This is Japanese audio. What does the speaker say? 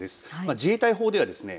自衛隊法ではですね